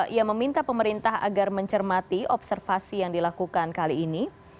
ia meminta pemerintah agar mencermati observasi yang dilakukan kali ini